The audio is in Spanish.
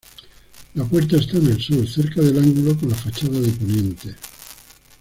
La puerta está en el sur, cerca del ángulo con la fachada de poniente.